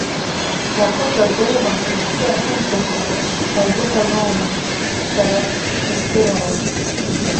Уахык азоума, иԥсы ахьынӡаҭоу азыҳәаноума, сара исыздыруам.